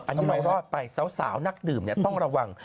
อันนี้เราลอดไปเสานักดื่มเนี่ยต้องระวัง